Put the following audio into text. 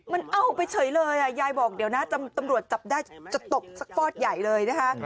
มันเอาไปเฉยเลยยายบอกเดี๋ยวนะตำรวจจับได้จะตกสักฟอดใหญ่เลยนะคะ